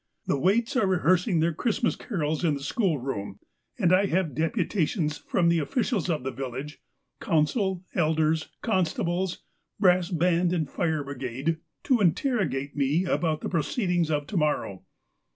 The waits are rehearsing their Christmas carols in the schoolroom, and I have deputations from the officials of the village, — council, elders, constables, —■ brass band, and fire brigade, to interrogate me about the pro ceedings of to morrow.